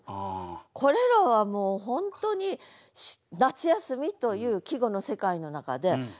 これらはもう本当に「夏休」という季語の世界の中で誰もが思う。